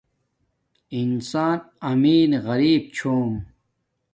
انسان امیر غریپ چھوم